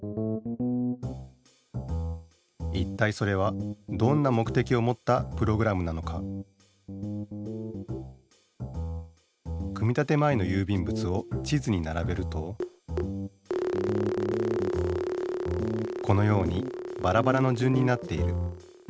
いったいそれはどんな目的をもったプログラムなのか組立前のゆうびんぶつを地図にならべるとこのようにバラバラの順になっている。